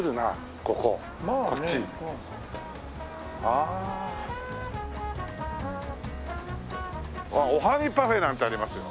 あっおはぎパフェなんてありますよ。